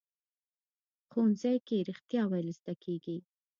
ښوونځی کې رښتیا ویل زده کېږي